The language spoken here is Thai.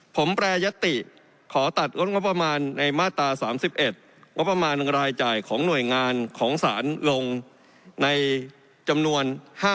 ผมแปรยติขอตัดลดงบประมาณในมาตรา๓๑งบประมาณรายจ่ายของหน่วยงานของสารลงในจำนวน